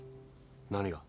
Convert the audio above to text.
何が？